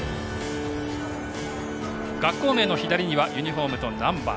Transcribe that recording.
学校名の左にはユニフォームとナンバー。